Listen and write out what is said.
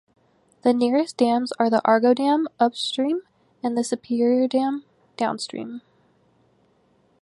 The nearest dams are the Argo Dam upstream and the Superior Dam downstream.